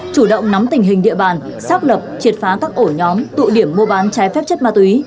chủ động nắm tình hình địa bàn xác lập triệt phá các ổ nhóm tụ điểm mua bán trái phép chất ma túy